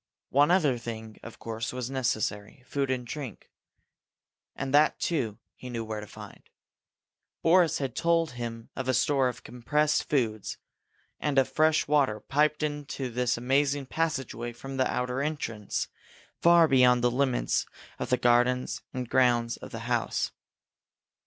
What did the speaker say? One other thing, of course, was necessary; food and drink. And that, too, he knew where to find. Boris had told him of a store of compressed foods, and of fresh water, piped into this amazing passageway from the outer entrance, far beyond the limits of the gardens and grounds of the house.